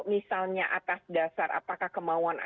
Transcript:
misalnya atas dasar apakah kemauan